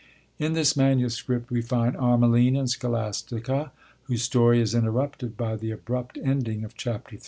In this manuscript we find Armelline and Scolastica, whose story is interrupted by the abrupt ending of Chapter III.